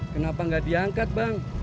kenapa gak diangkat bang